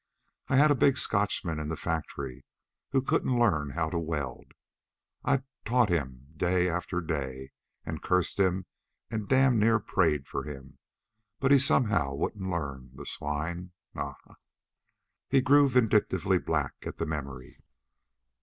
I had a big Scotchman in the factory who couldn't learn how to weld. I'd taught him day after day and cursed him and damn near prayed for him. But he somehow wouldn't learn the swine ah, ah!" He grew vindictively black at the memory.